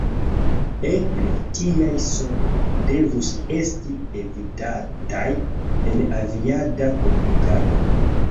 Eble tiaj sonoj devus esti evitataj en aviada komunikado.